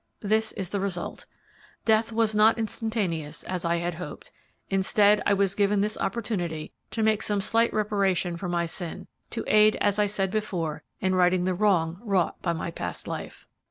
This is the result. Death was not instantaneous, as I had hoped; instead, I was given this opportunity to make some slight reparation for my sin; to aid, as I said before, in righting the wrong wrought by my past life.